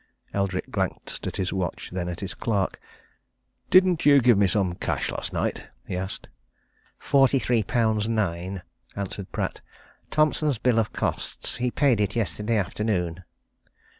Eldrick glanced at his watch; then at his clerk. "Didn't you give me some cash last night?" he asked. "Forty three pounds nine," answered Pratt. "Thompson's bill of costs he paid it yesterday afternoon."